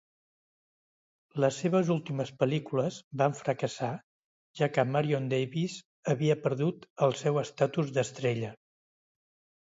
Les seves últimes pel·lícules van fracassar ja que Marion Davies havia perdut el seu estatus d'estrella.